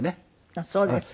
あっそうですか。